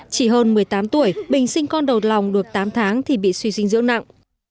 chỉ hơn một mươi tám tuổi bình sinh con đầu lòng được tám tháng thì bị suy dinh dưỡng nặng